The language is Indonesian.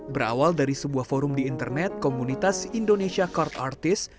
berawal dari sebuah forum di internet komunitas indonesia card artist